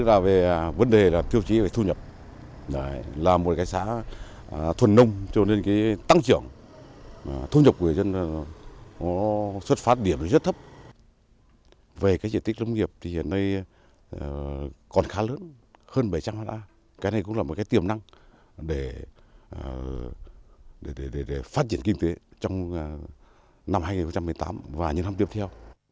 cái này cũng là một tiềm năng để phát triển kinh tế trong năm hai nghìn một mươi tám và những năm tiếp theo